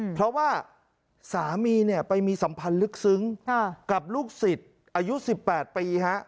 เพราะว่าสามีเนี่ยไปมีสัมพันธ์ลึกซึ้งกับลูกศิษย์อายุ๑๘ปี